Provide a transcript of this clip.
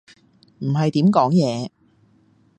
唔係點講嘢